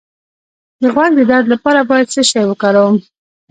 د غوږ د درد لپاره باید څه شی وکاروم؟